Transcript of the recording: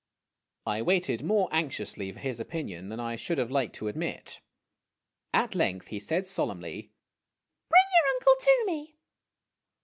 I waited more anxiously for his opinion than I should have liked to admit. At length he said solemnly, " Bring your uncle to me